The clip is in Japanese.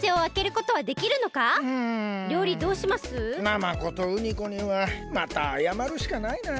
ナマコとウニコにはまたあやまるしかないな。